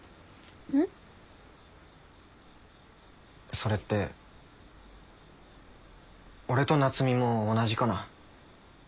それって俺と夏海も同じかな？